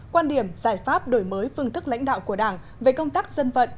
quan điểm giải pháp đổi mới phương thức lãnh đạo của đảng về công tác dân vận